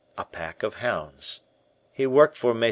a pack of hounds. He worked for MM.